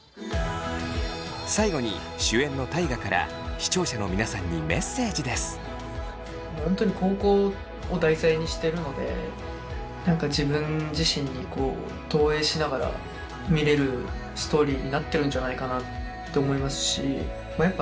最後に主演の大我から本当に高校を題材にしてるので何か自分自身に投影しながら見れるストーリーになってるんじゃないかなって思いますしやっぱ